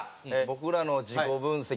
僕らの自己分析